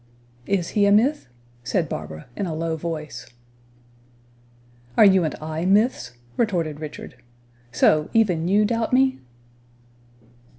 "Is he a myth?" said Barbara, in a low voice. "Are you and I myths?" retorted Richard. "So, even you doubt me?"